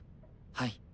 はい。